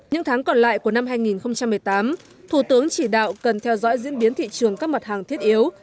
những tháng còn lại của năm hai nghìn một mươi tám thủ tướng chỉ đạo cần theo dõi diễn biến thị trường các mặt hàng thiết yếu